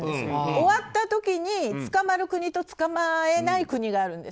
終わった時に捕まる国と捕まえない国があるんです。